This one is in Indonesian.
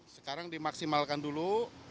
sekarang dimaksimalkan dulu